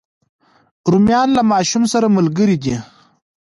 رومیان له ماشوم سره ملګري دي